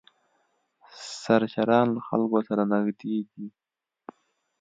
سرچران له خلکو سره نږدې دي.